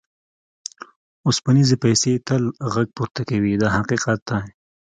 اوسپنیزې پیسې تل غږ پورته کوي دا حقیقت دی.